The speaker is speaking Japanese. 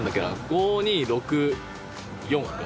５２６４